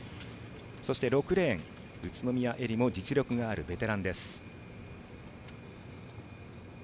そして６レーン宇都宮絵莉も実力があるベテラン。